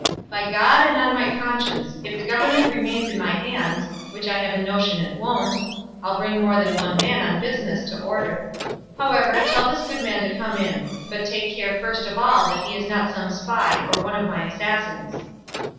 By God and on my conscience, if the government remains in my hands (which I have a notion it won't), I'll bring more than one man on business to order. However, tell this good man to come in; but take care first of all that he is not some spy or one of my assassins."